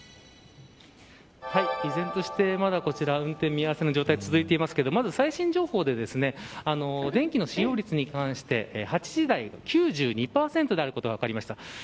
依然として、まだこちら運転見合わせの状態が続いていますが、最新情報で電気の使用率に関して８時台、９２％であることが分かりました。